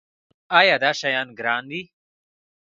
ایا دا شیان ګران دي؟